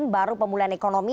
baru pemulihan ekonomi